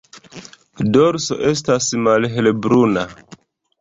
Dorso estas malhelbruna.